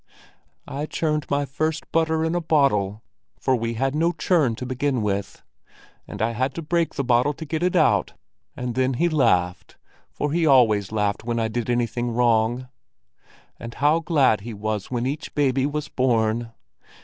I churned my first butter in a bottle, for we had no churn to begin with; and I had to break the bottle to get it out, and then he laughed, for he always laughed when I did anything wrong. And how glad he was when each baby was born!